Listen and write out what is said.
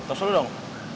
tos dulu dong